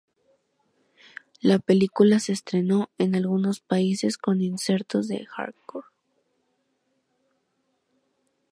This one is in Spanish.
La película se estrenó en algunos países con insertos de hardcore.